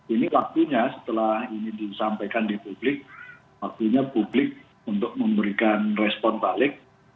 ini waktunya setelah ini disampaikan di publik waktunya publik untuk memberikan respon balik